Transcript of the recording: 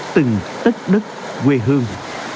từng tất đất quê hương